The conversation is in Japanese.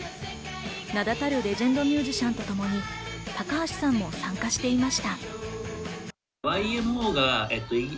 名だたるレジェンドミュージシャンとともに、高橋さんも参加していました。